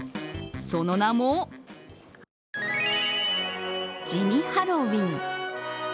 その名も地味ハロウィーン。